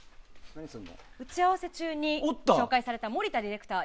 打ち合わせ中に紹介された森田ディレクター